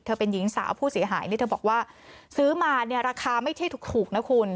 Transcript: เป็นหญิงสาวผู้เสียหายนี่เธอบอกว่าซื้อมาเนี่ยราคาไม่ใช่ถูกนะคุณ